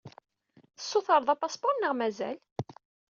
Tessutreḍ apaspuṛ neɣ mazal?